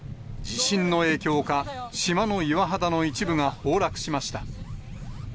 地震の影響か、島の岩肌の一部が崩落しました。